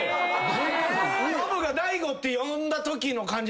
ノブが大悟って呼んだときの感じ